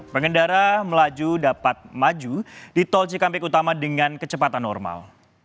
pengendara melaju dapat maju di tol cikampek utama dengan kecepatan normal